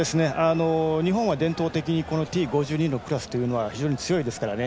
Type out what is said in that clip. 日本は伝統的にＴ５２のクラスというのは非常に強いですからね。